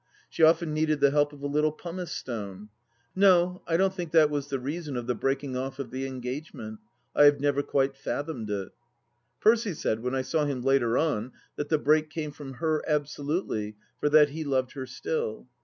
She often needed the help of a little pumice stone. No, I don't think that was the reason of the breaking off of the engagement; I have never quite fathomed it. Percy said, when I saw him later on, that the break came from her, absolutely, for that he loved her still.